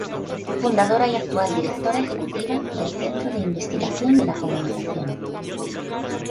Fundadora y actual Directora Ejecutiva del Centro de Investigación de la Comunicación.